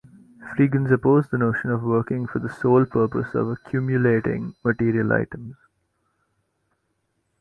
Freegans oppose the notion of working for the sole purpose of accumulating material items.